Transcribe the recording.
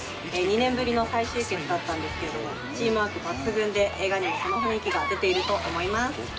２年ぶりの再集結だったんですけれどもチームワーク抜群で映画にもその雰囲気が出ていると思います。